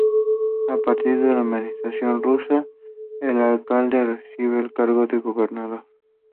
A partir de la administración rusa el alcalde recibe el cargo de "Gobernador".